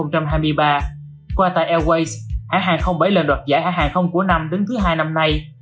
trong hai mươi ba qua tại airways hãng hàng không bảy lần đoạt giải hãng hàng không của năm đến thứ hai năm nay